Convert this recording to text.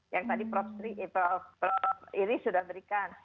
yang tadi profesor cissy sudah berikan